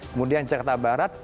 kemudian jakarta barat